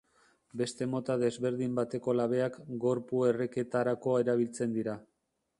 Beste mota desberdin bateko labeak gorpu-erreketarako erabiltzen dira.